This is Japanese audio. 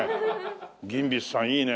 ギンビスさんいいね。